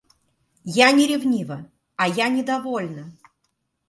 Я не ревнива, а я недовольна.